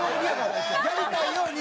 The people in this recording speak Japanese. やりたいように。